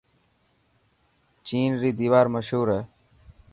چين ري ديوار مشهور هي.